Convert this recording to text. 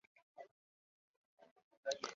缅甸金丝猴分布于缅甸北部。